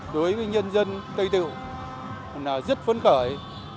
đối với nhân dân tây tựu rất phấn khởi